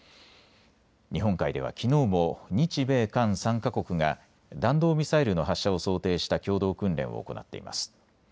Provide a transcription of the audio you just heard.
日本海ではきのうも日米韓３か国が弾道ミサイルの発射を想定した共同訓練を行っています。